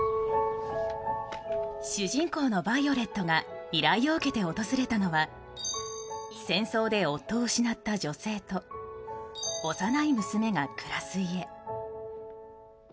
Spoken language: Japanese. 主人公のヴァイオレットが依頼を受けて訪れたのは戦争で夫を失った女性と幼い娘が暮らす家。